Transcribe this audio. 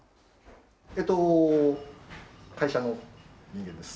えっと会社の人間です。